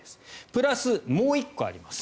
プラスもう１個あります。